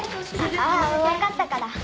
あぁ分かったから。